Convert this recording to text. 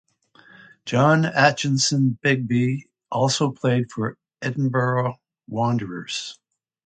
John Aitchison Begbie also played for Edinburgh Wanderers.